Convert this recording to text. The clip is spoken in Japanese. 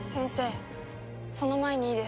その前にいいですか？